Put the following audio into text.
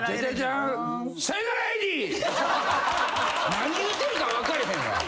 何言うてるか分からへんわ。